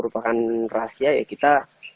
bahkan rahasia ya kita